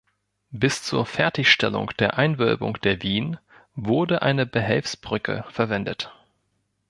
Bis zur Fertigstellung der Einwölbung der Wien wurde eine Behelfsbrücke verwendet.